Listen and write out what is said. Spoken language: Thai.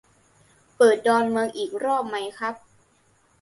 เปิดดอนเมืองอีกรอบไหมครับ ?